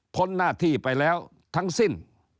หน้าที่ไปแล้วทั้งสิ้น